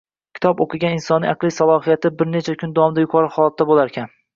Kitob o‘qigan insonning aqliy salohiyati bir necha kun davomida yuqori holatda bo‘larkan.